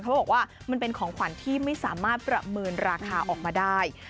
เขาบอกว่ามันเป็นของขวัญที่ไม่สามารถประเมินราคาออกมาได้